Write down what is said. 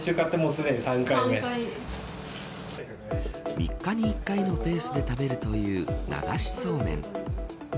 ３日に１回のペースで食べるという流しそうめん。